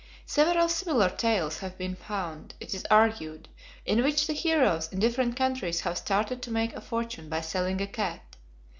Several similar tales have been found, it is argued, in which the heroes in different countries have started to make a fortune by selling a cat.